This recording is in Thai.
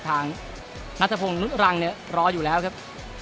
ทางนัทพงศ์นุษย์รังเนี่ยรออยู่แล้วครับ